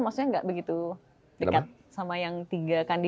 maksudnya gak begitu dekat